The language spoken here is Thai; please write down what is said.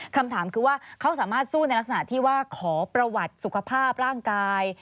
คำถามคือว่าเขาสามารถสู้ในลักษณะที่ว่าขอประวัติสุขภาพร่างกาย